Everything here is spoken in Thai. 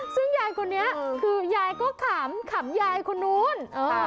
ซึ่งยายคนนี้คือยายก็ขำขำยายคนนู้น